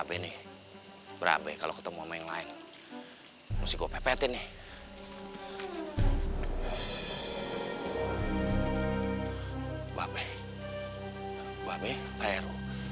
eh eh eh pak beh beh kenapa lo